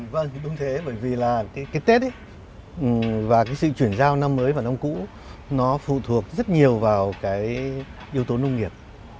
vâng đúng thế bởi vì là cái tết và cái sự chuyển giao năm mới vào năm cũ nó phụ thuộc rất nhiều vào cái yếu tố nông nghiệp